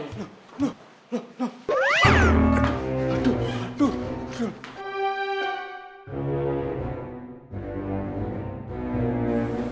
aduh aduh aduh aduh